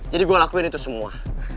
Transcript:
jadi gue lakuin itu semua